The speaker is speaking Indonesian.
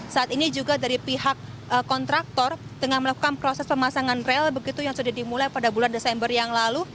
saat ini juga dari pihak kontraktor tengah melakukan proses pemasangan rel begitu yang sudah dimulai pada bulan desember yang lalu